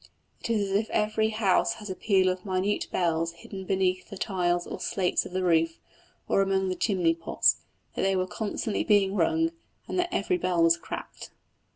It is as if every house had a peal of minute bells hidden beneath the tiles or slates of the roof, or among the chimney pots, that they were constantly being rung, and that every bell was cracked.